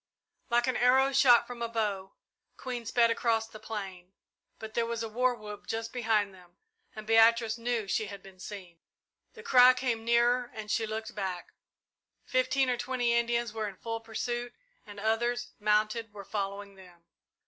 Like an arrow shot from a bow, Queen sped across the plain, but there was a war whoop just behind them and Beatrice knew she had been seen. The cry came nearer and she looked back. Fifteen or twenty Indians were in full pursuit and others, mounted, were following them.